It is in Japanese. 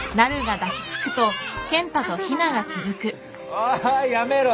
おいやめろ！